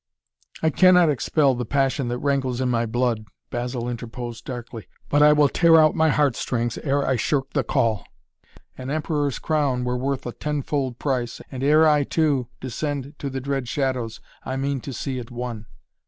"I cannot expel the passion that rankles in my blood," Basil interposed darkly. "But I will tear out my heart strings ere I shirk the call. An emperor's crown were worth a tenfold price, and ere I, too, descend to the dread shadows, I mean to see it won."